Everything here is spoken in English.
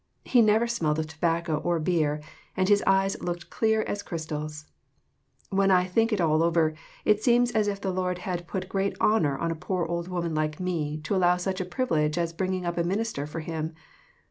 He never smelled of tobacco or beer, and his eyes looked clear as crystals. When I think it all over, it seems as if the Lord had put great honor on a poor old woman like me to allow me such a privilege as bringing up a minister for him.